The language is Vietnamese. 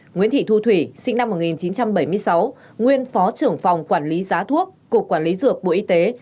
nguyễn thị thu thủy sinh năm một nghìn chín trăm bảy mươi sáu nguyên phó trưởng phòng quản lý giá thuốc cục quản lý dược bộ y tế